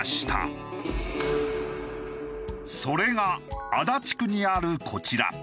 それが足立区にあるこちら。